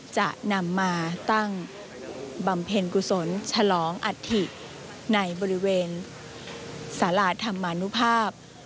จะนำมาตั้งบำเพ็ญกุศลฉลองอัฐิในบริเวณสาราธรรมนุภาพ